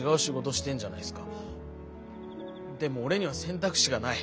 でも俺には選択肢がない。